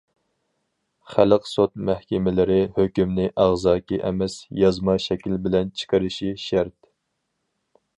خەلق سوت مەھكىمىلىرى ھۆكۈمنى ئاغزاكى ئەمەس، يازما شەكىل بىلەن چىقىرىشى شەرت.